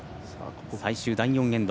最終、第４エンド。